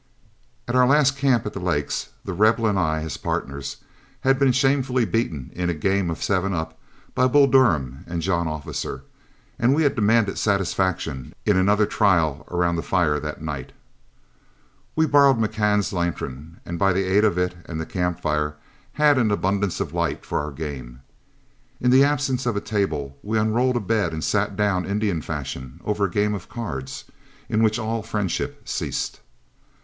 At our last camp at the lakes, The Rebel and I, as partners, had been shamefully beaten in a game of seven up by Bull Durham and John Officer, and had demanded satisfaction in another trial around the fire that night. We borrowed McCann's lantern, and by the aid of it and the camp fire had an abundance of light for our game. In the absence of a table, we unrolled a bed and sat down Indian fashion over a game of cards in which all friendship ceased.